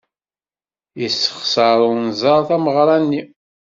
Yessexṣer unẓar tameɣra-nni.